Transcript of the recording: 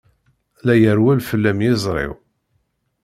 La irewwel fell-am yiẓri-w.